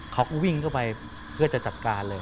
เขาก็วิ่งเข้าไปเพื่อจะจัดการเลย